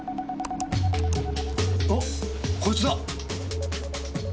あこいつだ！